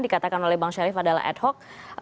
dikatakan oleh bang syarif adalah ad hoc